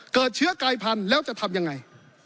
เกิดเชื้อกายพันธุ์แล้วจะทำยังไง